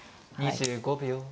２５秒。